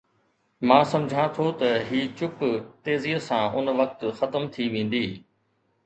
مان سمجهان ٿو ته هي چپ تيزيءَ سان ان وقت ختم ٿي ويندي.